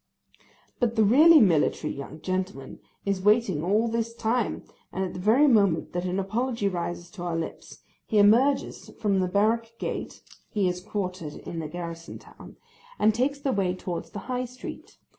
But the really military young gentleman is waiting all this time, and at the very moment that an apology rises to our lips, he emerges from the barrack gate (he is quartered in a garrison town), and takes the way towards the high street.